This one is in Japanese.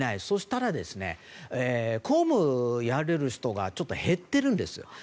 そうしたら公務をやれる人がちょっと減ってるんです。